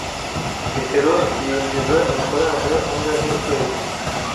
Petero yinjiza amafaranga angahe ukwezi?